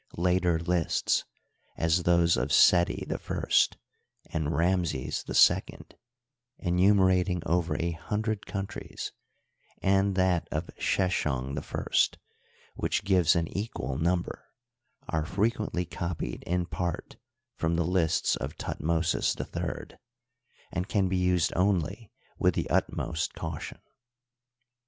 Later lists, as those of Seti I and Ramses II, enumerating over a hundred coun tries, and that of Sheshong I, which gives an equal num ber, are frequently copied in part from the lists of Thut mosis III, and can be used only with the utmost caution.